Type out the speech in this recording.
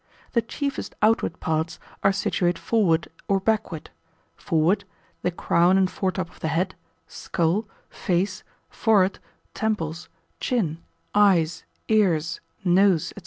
The chiefest outward parts are situate forward or backward:—forward, the crown and foretop of the head, skull, face, forehead, temples, chin, eyes, ears, nose, &c.